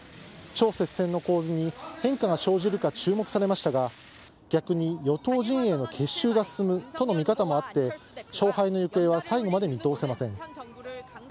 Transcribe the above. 超接戦の構図に、変化が生じるか注目されましたが、逆に与党陣営の結集が進むとの見方もあって、勝敗の行方は最後まで見通せません。